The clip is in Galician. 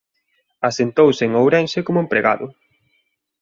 Asentouse en Ourense como empregado.